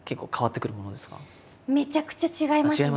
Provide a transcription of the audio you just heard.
めちゃくちゃ違いますね。